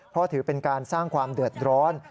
เพราะถือเป็นการสร้างความเดือดร้อน